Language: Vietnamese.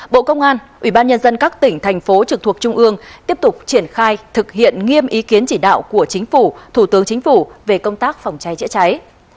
bộ công an ubnd các tỉnh thành phố trực thuộc trung ương tiếp tục triển khai thực hiện nghiêm ý kiến chỉ đạo của chính phủ thủ tướng chính phủ về công tác phòng cháy chữa cháy